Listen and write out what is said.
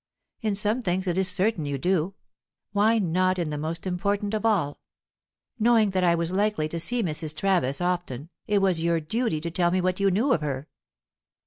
In some things it is certain you do; why not in the most important of all? Knowing that I was likely to see Mrs. Travis often, it was your duty to tell me what you knew of her."